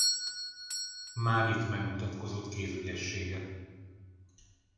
Már itt megmutatkozott kézügyessége.